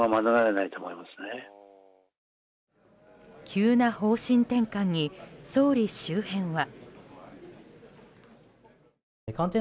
急な方針転換に総理周辺は。